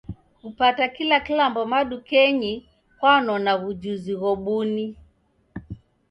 Kupata kila kilambo madukenyi kwanona w'ujuzi ghobuni